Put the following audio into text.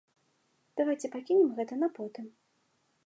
Давайце пакінем гэта на потым.